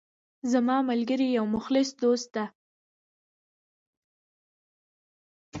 زما ملګری یو مخلص دوست ده